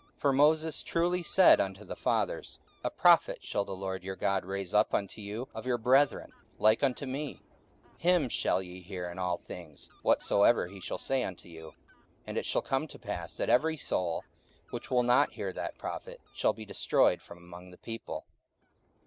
44:003:022 For Moses truly said unto the fathers, A prophet shall the Lord your God raise up unto you of your brethren, like unto me; him shall ye hear in all things whatsoever he shall say unto you. 44:003:023 And it shall come to pass, that every soul, which will not hear that prophet, shall be destroyed from among the people.